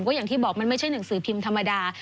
แบบที่บอกมันไม่ใช่หนังสือปิมธรรมดา